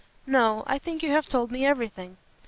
"No. I think you have told me everything."